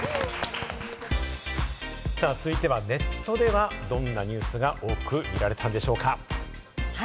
続いては、ネットではどんなニュースが多く見られたのでしょうか。